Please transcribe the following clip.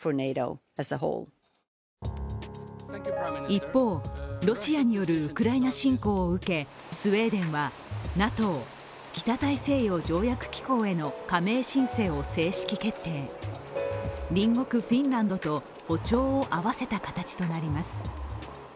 一方、ロシアによるウクライナ侵攻を受け、スウェーデンは、ＮＡＴＯ＝北大西洋条約機構への加盟申請を正式決定隣国フィンランドと歩調を合わせた形となります。